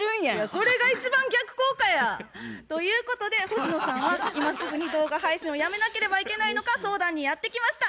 それが一番逆効果や！ということで星野さんは今すぐに動画配信をやめなければいけないのか相談にやって来ました。